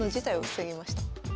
防ぎました。